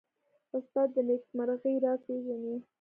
استاد د نېکمرغۍ راز پېژني.